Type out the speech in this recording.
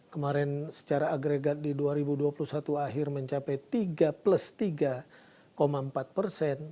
kemarin secara agregat di dua ribu dua puluh satu akhir mencapai tiga plus tiga empat persen